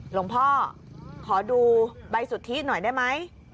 หลวงพ่อขอดูใบสุทธิหน่อยได้ไหม